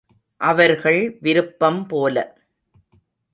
அவர்கள் விருப்பம் போல.